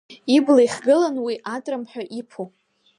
Ибла ихгылан уи атрымҳәа иԥо.